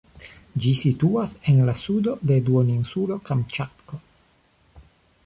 Ĝi situas en la sudo de duoninsulo Kamĉatko.